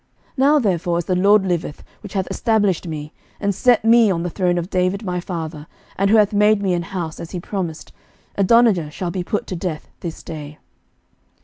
11:002:024 Now therefore, as the LORD liveth, which hath established me, and set me on the throne of David my father, and who hath made me an house, as he promised, Adonijah shall be put to death this day.